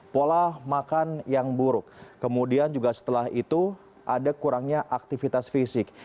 pola makan yang buruk kemudian juga setelah itu ada kurangnya aktivitas fisik